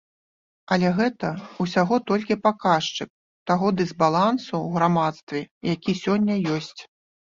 Але гэта ўсяго толькі паказчык таго дысбалансу ў грамадстве, які сёння ёсць.